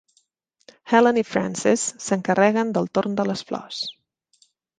Helen i Frances s'encarreguen del torn de les flors